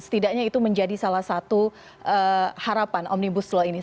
setidaknya itu menjadi salah satu harapan omnibus law ini